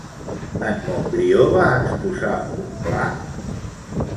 En Montbrió va exposar un pla?